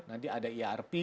nanti ada irp